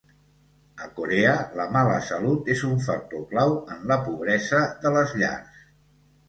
A Corea, la mala salut és un factor clau en la pobresa de les llars.